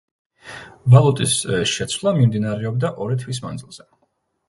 ვალუტის შეცვლა მიმდინარეობდა ორი თვის მანძილზე.